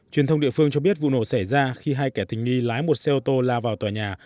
truyền thông địa phương cho biết vụ nổ xảy ra khi hai kẻ tình nghi lái một xe ô tô lao vào tòa nhà